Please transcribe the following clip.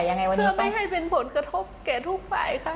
เพื่อไม่ให้เป็นผลกระทบแก่ทุกฝ่ายค่ะ